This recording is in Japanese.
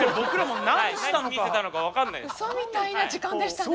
うそみたいな時間でしたね。